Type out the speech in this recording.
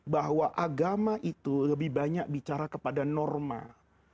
bahwa agama itu lebih banyak bicara kepada norma